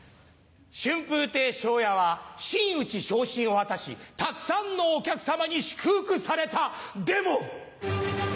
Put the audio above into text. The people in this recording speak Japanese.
春風亭昇也は真打ち昇進を果たしたくさんのお客様に祝福されたでも！